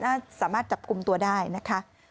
ถ้าสามารถจับกลุ่มตัวได้นะคะ